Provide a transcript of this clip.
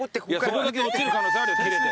そこだけ落ちる可能性あるよ切れて。